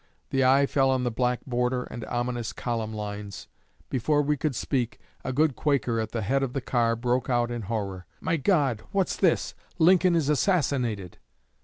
The eye fell on the black border and ominous column lines. Before we could speak, a good Quaker at the head of the car broke out in horror: 'My God! What's this? _Lincoln is assassinated.